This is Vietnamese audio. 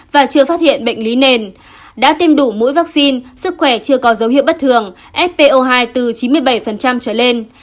và chưa phát hiện bệnh lý nền đã tiêm đủ mũi vaccine sức khỏe chưa có dấu hiệu bất thường fpo hai từ chín mươi bảy trở lên